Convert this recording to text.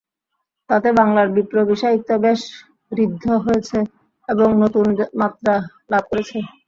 তাতে বাংলার বিপ্লবী সাহিত্য বেশ ঋদ্ধ হয়েছে এবং নতুন মাত্রা লাভ করেছে।